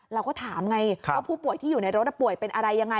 เราก็ถามไงว่าผู้ป่วยที่อยู่ในรถป่วยเป็นอะไรยังไง